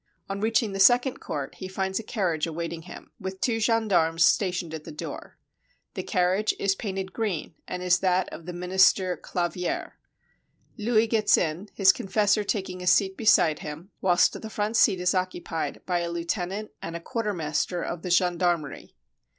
On reaching the second court, he finds a carriage await ing him, with two gendarmes stationed at the door. The carriage is painted green, and is that of the Minis ter Claviere. Louis gets in, his confessor taking a seat beside him, whilst the front seat is occupied by a lieu tenant and a quartermaster of the gendarmerie.